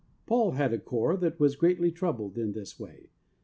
Paul had a Corps that was greatly troubled in this way.